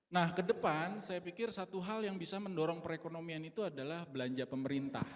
nah ke depan saya pikir satu hal yang bisa mendorong perekonomian itu adalah belanja pemerintah